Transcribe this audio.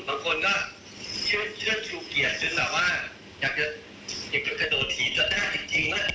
บางคนก็เชื่อเชื่อถูกเกียจจึงแบบว่าอยากจะกระโดดถีดกระดาษจริง